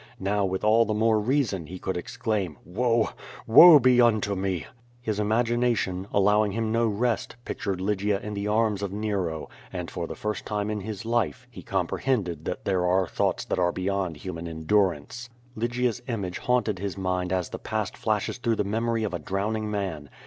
Now, with all the more reason, he could exclaim: "Woe, woe be unto me I" His imagination, allowing him no rest, pictured Lygia in the arms of Nero, and, for the first time in his life, he compre hended that there are thoughts that are beyond human en durance. Lygia's image haunted his mind as the past flashes through the memory of a drowning man.